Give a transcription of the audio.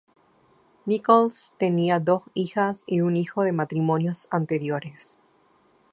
Nichols tenía dos hijas y un hijo de matrimonios anteriores.